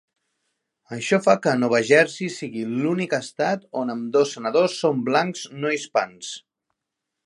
Això fa que Nova Jersey sigui l'únic estat on ambdós senadors són blancs no hispans.